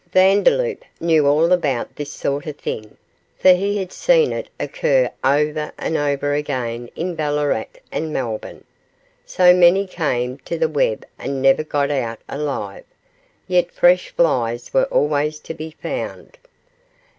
Vandeloup knew all about this sort of thing, for he had seen it occur over and over again in Ballarat and Melbourne. So many came to the web and never got out alive, yet fresh flies were always to be found.